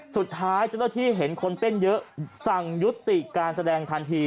สุดท้ายเจ้าหน้าที่เห็นคนเต้นเยอะสั่งยุติการแสดงทันที